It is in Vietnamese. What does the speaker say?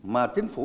mà chính phủ